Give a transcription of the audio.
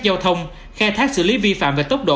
giao thông khai thác xử lý vi phạm về tốc độ